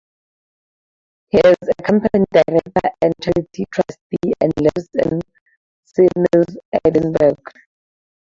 He is a company director and charity trustee, and lives in Sciennes, Edinburgh.